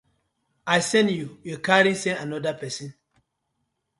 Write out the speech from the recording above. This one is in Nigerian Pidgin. I sen yu, yu carry sen anoda pesin.